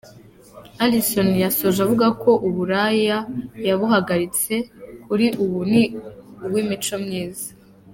Alison yasoje avuga ko uburaya yabuhagaritse, kuri ubu ni uw'imico myiza.